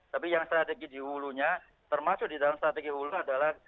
tapi yang strategi di hulunya termasuk di dalam strategi hulu adalah